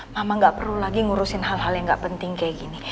mama gak perlu lagi ngurusin hal hal yang gak penting kayak gini